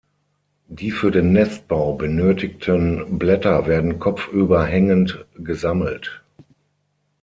Die für den Nestbau benötigten Blätter werden kopfüber hängend gesammelt.